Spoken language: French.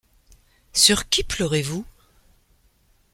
Sur qui pleurez-vous ?